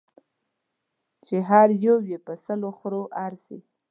چې هر یو یې په سلو خرو ارزي.